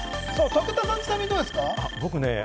武田さん、ちなみにどうですか？